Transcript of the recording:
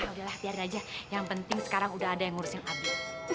udah lah biarin aja yang penting sekarang udah ada yang ngurusin abis